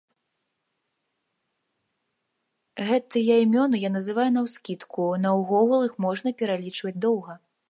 Гэтыя імёны я называю наўскідку, наогул іх можна пералічваць доўга.